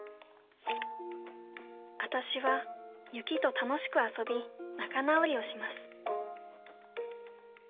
「あたしは雪と楽しく遊び仲直りをします」。